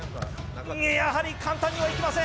やはり簡単にはいきません。